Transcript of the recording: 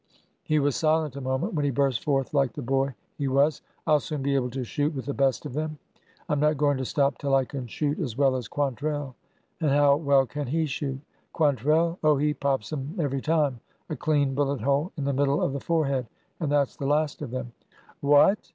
He was silent a moment, when he burst forth like the boy he was : I 'll soon be able to shoot with the best of them. I 'm not going to stop till I can shoot as well as Quantrell." And how well can he shoot ?" Quantrell ? Oh, he pops 'em every time— a clean bullet hole in the middle of the forehead— and that 's the last of them." ''What!"